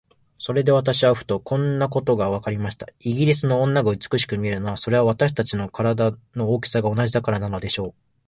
それで私はふと、こんなことがわかりました。イギリスの女が美しく見えるのは、それは私たちと身体の大きさが同じだからなのでしょう。